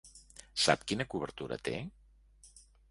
Sap quina cobertura té?